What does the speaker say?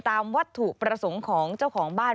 วัตถุประสงค์ของเจ้าของบ้าน